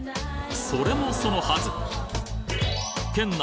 それもそのはず！